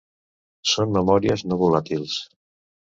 Són memòries no volàtils.